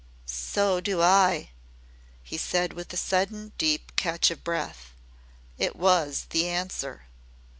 "So do I," he said with a sudden deep catch of the breath; "it was the Answer."